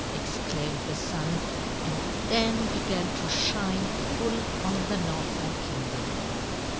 exclaimed the Sun, and then began to shine full on the Northland Kingdom.